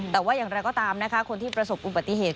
แต่ว่าอย่างไรก็ตามนะคะคนที่ประสบอุบัติเหตุ